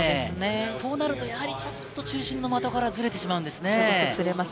そうなると中心の的からズレてしまうんですね。